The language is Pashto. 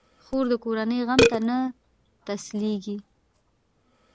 خور د کورنۍ غم ته نه تسلېږي.